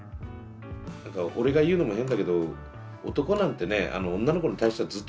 なんか俺が言うのも変だけど男なんてね女の子に対してはずっと勉強よ。